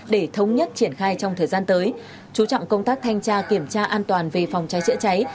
để thống nhất triển khai trong thời gian tới chú trọng công tác thanh tra kiểm tra an toàn về phòng cháy chữa cháy